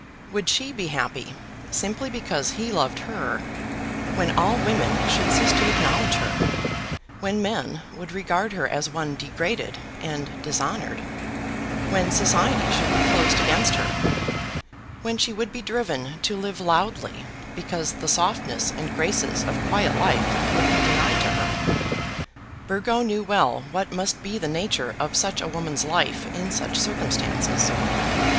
Would she be happy, simply because he loved her, when all women should cease to acknowledge her; when men would regard her as one degraded and dishonoured; when society should be closed against her; when she would be driven to live loudly because the softness and graces of quiet life would be denied to her? Burgo knew well what must be the nature of such a woman's life in such circumstances.